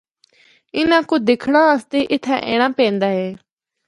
اِنّاں کو دکھنڑا آسطے اِتھّا اینڑا پیندا اے۔